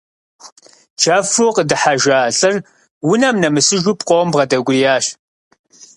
Чэфу къыдыхьэжа лӏыр унэм нэмысыжу пкъом бгъэдэкӏуриящ.